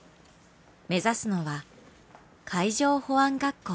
目指すのは海上保安学校。